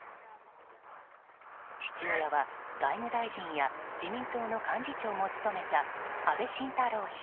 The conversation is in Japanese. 父親は外務大臣や自民党の幹事長も務めた安倍晋太郎氏。